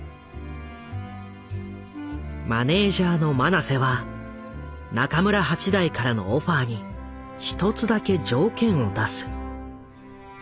マネージャーの曲直瀬は中村八大からのオファーに１つだけ条件を出す。